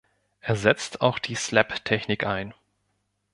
Er setzt auch die Slaptechnik ein.